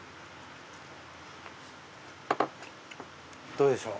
どうでしょう？